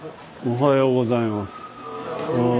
おはようございます。